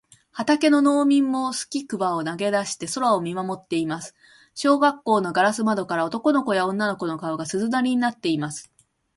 畑の農民もすきくわを投げだして空を見まもっています。小学校のガラス窓からは、男の子や女の子の顔が、鈴なりになっています。